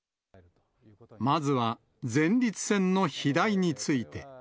まずは前立腺の肥大について。